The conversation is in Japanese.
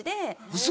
ウソ！